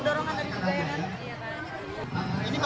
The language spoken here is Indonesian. ini baru pertama kali